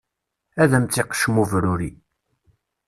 Ad m-tt-iqeccem ubruri.